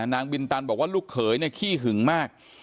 นางบินตันบอกว่าลูกเขยขี้หึงมาก